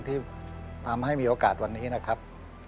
ที่ทำให้มีโอกาสวันนี้นะครับ